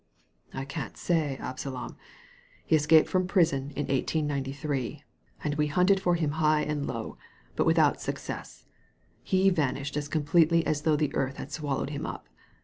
'' I can't say, Absalom. He escaped frpm prison in 1893, and we hunted for him high and low, but with out success. He vanished as completely as though the earth had swallowed him up.